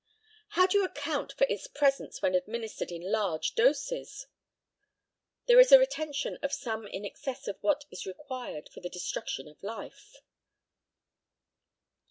How do you account for its presence when administered in large doses? There is a retention of some in excess of what is required for the destruction of life.